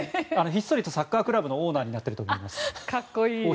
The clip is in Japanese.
ひっそりとサッカークラブのオーナーになっていると思います。